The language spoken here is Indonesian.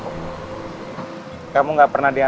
aku anter ya